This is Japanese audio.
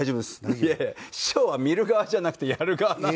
いやいや師匠は見る側じゃなくてやる側なんで。